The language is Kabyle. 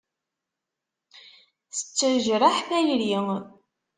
Tettejraḥ tayri.